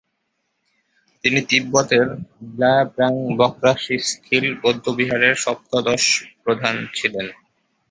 তিনি তিব্বতের ব্লা-ব্রাং-ব্ক্রা-শিস-'খ্যিল বৌদ্ধবিহারের সপ্তদশ প্রধান ছিলেন।